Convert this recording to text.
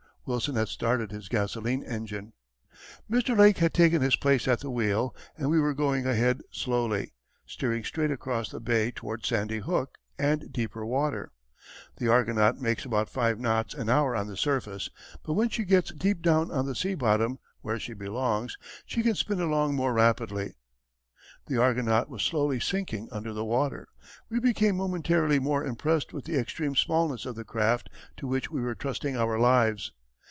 Wilson had started his gasoline engine. Mr. Lake had taken his place at the wheel, and we were going ahead slowly, steering straight across the bay toward Sandy Hook and deeper water. The Argonaut makes about five knots an hour on the surface, but when she gets deep down on the sea bottom, where she belongs, she can spin along more rapidly. The Argonaut was slowly sinking under the water. We became momentarily more impressed with the extreme smallness of the craft to which we were trusting our lives.